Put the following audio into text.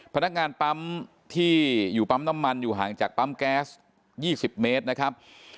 พนักงานปั๊มที่อยู่ปั๊มน้ำมันอยู่ห่างจากปั๊มแก๊ส๒๐เมตรนะครับ